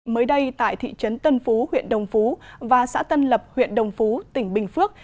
mới đây tại thị trấn tân phú huyện đồng phú và xã tân lập huyện đồng phú tỉnh bình phước